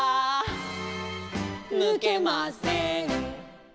「ぬけません」